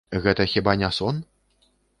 Гэта хіба не сон?